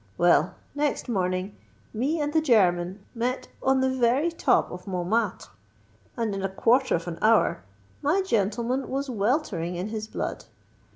Well, next morning me and the German met on the very top of Montmartre; and in a quarter of an hour my gentleman was weltering in his blood.